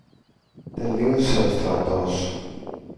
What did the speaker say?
τελείωσε ο στρατός